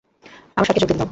আমায় শার্কে যোগ দিতে দাও।